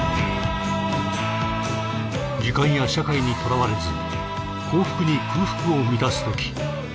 時間や社会にとらわれず幸福に空腹を満たすとき